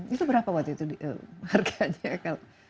itu berapa waktu itu harganya